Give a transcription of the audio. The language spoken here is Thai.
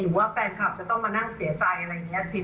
ว่าแฟนคลับจะต้องมานั่งเสียใจอะไรอย่างนี้